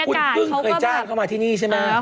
คุณกึ้งเคยจ้างเข้ามาที่นี่ใช่ไหม